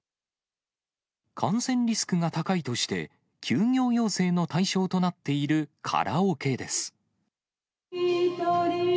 感染リスクが高いとして、休業要請の対象となっているカラオケです。